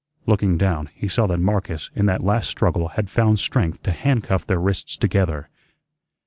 Looking down, he saw that Marcus in that last struggle had found strength to handcuff their wrists together.